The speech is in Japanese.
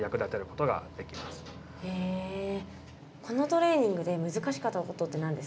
このトレーニングで難しかったことって何ですか？